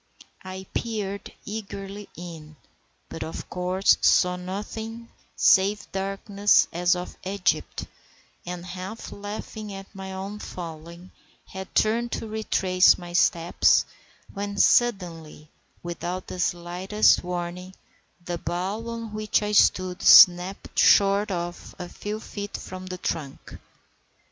I peered eagerly in, but of course saw nothing save darkness as of Egypt, and, half laughing at my own folly had turned to retrace my steps, when suddenly, without the slightest warning, the bough on which I stood snapped short off a few feet from the trunk.